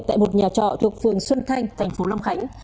tại một nhà trọ thuộc phường xuân thanh thành phố long khánh